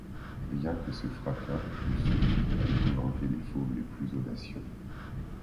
Rien que ce fracas eût suffi à épouvanter les fauves les plus audacieux